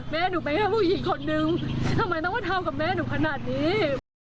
แม่หนูไปกับผู้หญิงคนนึงทำไมต้องมาทำกับแม่หนูขนาดนี้